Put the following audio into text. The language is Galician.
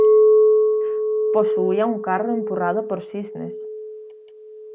Posuía un carro empurrado por cisnes.